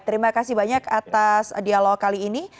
terima kasih banyak atas dialog kali ini